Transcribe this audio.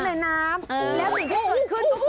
แล้วถึงที่ส่วนขึ้นก็คือ